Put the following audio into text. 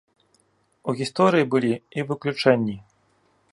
У гісторыі былі і выключэнні.